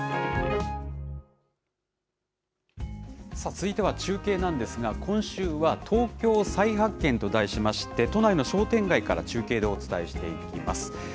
続いては中継なんですが、今週は東京再発見と題しまして、都内の商店街から中継でお伝えしていきます。